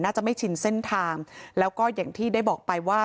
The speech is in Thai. จะไม่ชินเส้นทางแล้วก็อย่างที่ได้บอกไปว่า